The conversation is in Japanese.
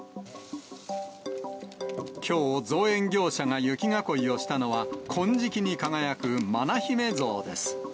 きょう、造園業者が雪囲いをしたのは、金色に輝く麻那姫像です。